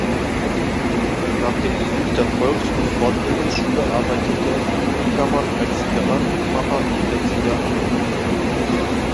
Nach dem Besuch der Volks- und Fortbildungsschule arbeitete Ackermann als Zigarrenmacher in der Zigarrenindustrie.